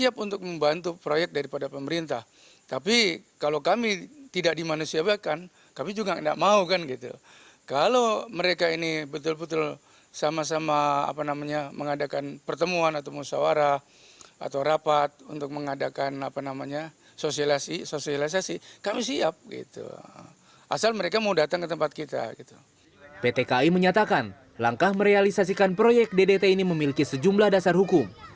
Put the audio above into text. pt kai menyatakan langkah merealisasikan proyek ddt ini memiliki sejumlah dasar hukum